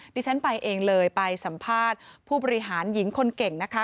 ดิฉันไปเองเลยไปสัมภาษณ์ผู้บริหารหญิงคนเก่งนะคะ